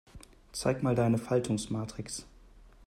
Zeig mal deine Faltungsmatrix.